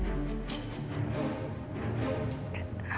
bu ibu mendengarkan aku bicara